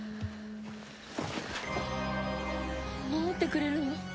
守ってくれるの？